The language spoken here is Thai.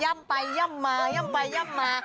ไปย่ำมาย่ำไปย่ำมา